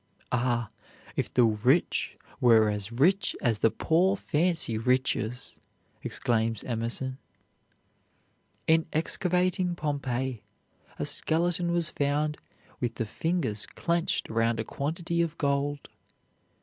"Ah, if the rich were as rich as the poor fancy riches!" exclaims Emerson. In excavating Pompeii a skeleton was found with the fingers clenched round a quantity of gold.